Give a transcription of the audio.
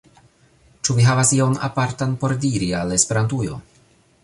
Ĉu vi havas ion apartan por diri al Esperantujo?